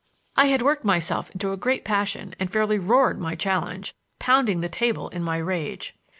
I had worked myself into a great passion and fairly roared my challenge, pounding the table in my rage.